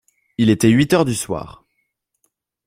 Il était huit heures du soir.